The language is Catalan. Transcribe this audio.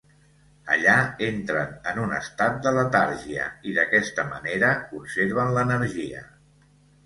Allà entren en un estat de letargia, i d'aquesta manera conserven l'energia.